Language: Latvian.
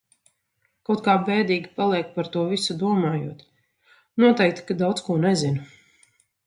Kaut kā bēdīgi paliek par to visu domājot. Noteikti, ka daudz ko nezinu.